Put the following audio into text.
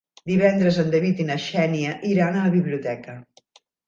Divendres en David i na Xènia iran a la biblioteca.